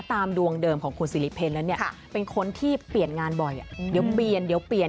ตามดวงเดิมของคุณสิริเพลแล้วเนี่ย